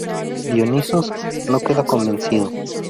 Dionisos no queda convencido.